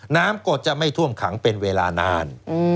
น้ำก็จะไม่ท่วมขังเป็นเวลานาน